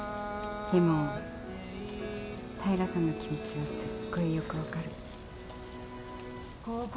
でも平さんの気持ちはすっごいよく分かる。